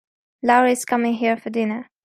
Lara is coming here for dinner.